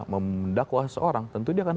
memendakwa seorang tentu dia akan